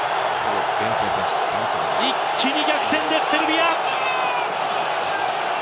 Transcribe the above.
一気に逆転、セルビア！